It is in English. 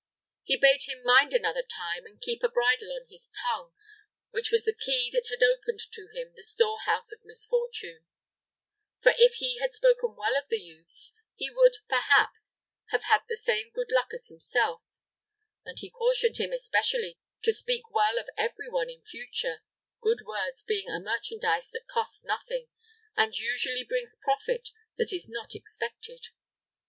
He bade him mind another time and keep a bridle on his tongue, which was the key that had opened to him the storehouse of misfortune; for if he had spoken well of the youths, he would, perhaps, have had the same good luck as himself, and he cautioned him especially to speak well of every one in future, good words being a merchandise that costs nothing, and usually brings profit that is not expected.